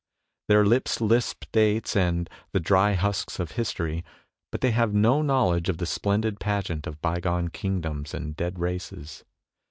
Their lips lisp dates and the dry husks of history, but they have no knowledge of the splendid pageant of bygone kingdoms and dead races.